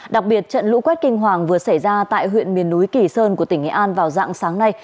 đặc biệt trận lũ quét kinh hoàng vừa xảy ra tại huyện miền núi kỳ sơn của tỉnh nghệ an vào dạng sáng nay